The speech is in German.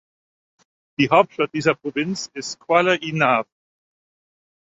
Die Hauptstadt dieser Provinz ist Qala-i-Naw.